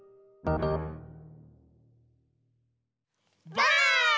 ばあっ！